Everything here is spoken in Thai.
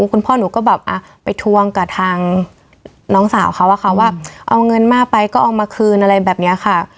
คุณพ่อหนูก็แบบไปทวงกับทางน้องสาวเขาอะค่ะว่าเอาเงินมาไปก็เอามาคืนอะไรแบบนี้ค่ะ